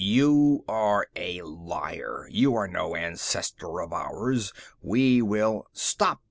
"You are a liar! You are no ancestor of ours! We will " "Stop!"